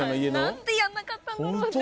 何でやんなかったんだろうって。